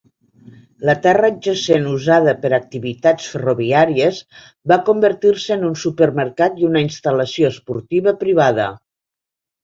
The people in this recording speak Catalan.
La terra adjacent usada per a activitats ferroviàries va convertir-se en un supermercat i una instal·lació esportiva privada.